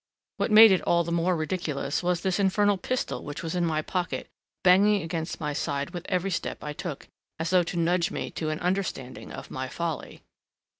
What made it all the more ridiculous was this infernal pistol which was in my pocket banging against my side with every step I took as though to nudge me to an understanding of my folly."